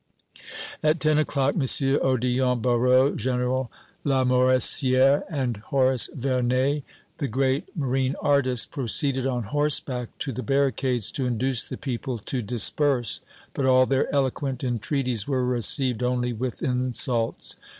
At ten o'clock M. Odillon Barrot, General Lamoricière and Horace Vernet, the great marine artist, proceeded on horseback to the barricades to induce the people to disperse, but all their eloquent entreaties were received only with insults.